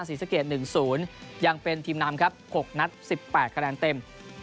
ศรีสะเกด๑๐ยังเป็นทีมนำครับ๖นัด๑๘คะแนนเต็ม